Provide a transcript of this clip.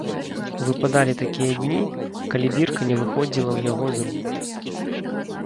Выпадалі такія дні, калі бірка не выходзіла ў яго з рук.